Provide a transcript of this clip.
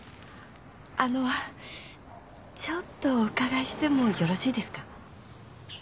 あのちょっとお伺いしてもよろしいですか？